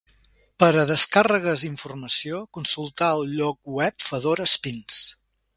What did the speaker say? Per a descàrregues i informació consultar el lloc web Fedora Spins.